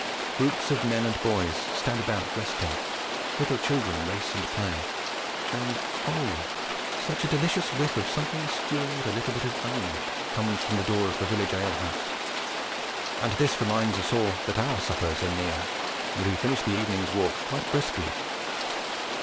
Groups of men and boys stand about resting, little children race and play, and oh, such a delicious whiff of something stewing, with a little bit of onion in it, comes from the open door of the village ale house! And this reminds us all that our suppers are near, and we finish the evening's walk quite briskly.